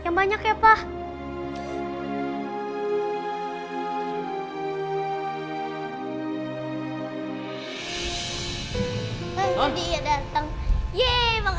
yang banyak ya pak